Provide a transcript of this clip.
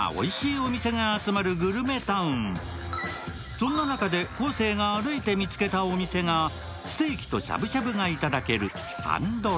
そんな中で昴生が歩いて見つけたお店がステーキとしゃぶしゃぶがいただけるお店、パンドラ。